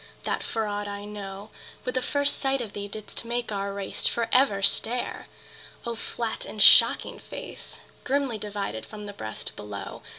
that for aught I know, With the first sight of thee didst make our race For ever stare! O flat and shocking face, Grimly divided from the breast below!